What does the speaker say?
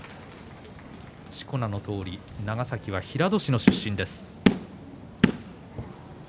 しこ名のとおり長崎は平戸市の出身です。